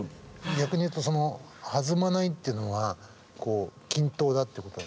逆に言うとその弾まないってのは均等だってことなんですね。